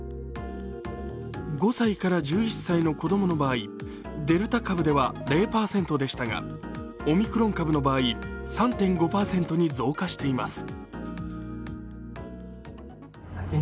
５歳から１１歳の子どもの場合、デルタ株では０％でしたがオミクロン株の場合、３．５％に増加しています。